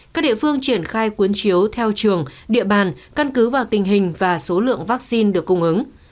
các địa phương triển khai cuốn chiếu theo trường địa bàn căn cứ vào tình hình và số lượng vaccine được cung ứng